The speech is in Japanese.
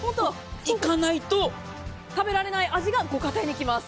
行かないと食べられない味がご家庭に来ます。